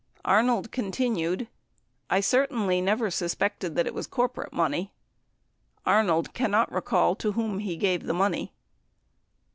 Arnold continued, "I certainly never suspected it was corporate money." 85 Arnold cannot recall to whom he gave the money.